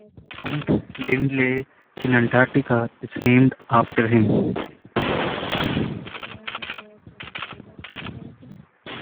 Mount Lindley in Antarctica is named after him.